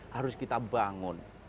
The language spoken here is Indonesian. harus kita bangun